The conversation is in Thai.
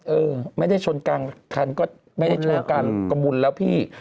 เออไม่ได้ชนกางกันกระมุนแล้วพี่